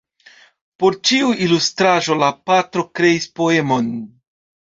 Por ĉiu ilustraĵo la patro kreis poemon.